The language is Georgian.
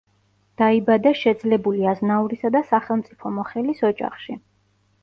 დაიბადა შეძლებული აზნაურისა და სახელმწიფო მოხელის ოჯახში.